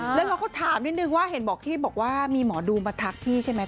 แล้วเราก็ถามนิดนึงว่าเห็นบอกที่บอกว่ามีหมอดูมาทักพี่ใช่ไหม